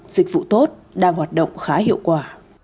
dịch vụ tốt đang hoạt động khá hiệu quả